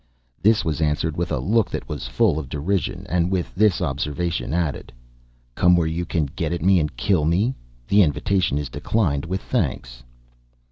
This was answered with a look that was full of derision, and with this observation added: "Come where you can get at me and kill me? The invitation is declined with thanks."